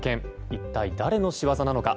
一体、誰の仕業なのか。